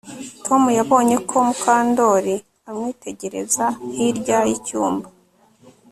Tom yabonye ko Mukandoli amwitegereza hirya yicyumba